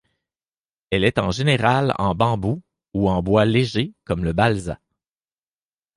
Elle est en général en bambou ou en bois léger comme le balsa.